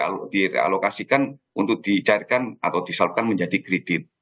jadi ini kemudian direalokasikan untuk dicairkan atau disalurkan menjadi kredit